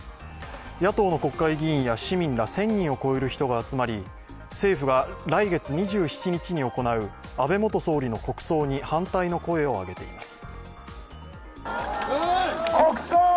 野党の国会議員や市民ら１０００人を超える人が集まり、政府が来月２７日に行う安倍元総理の国葬に反対の声を上げています。